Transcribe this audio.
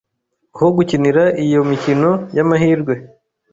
ho gukinira iyo mikino y’amahirwe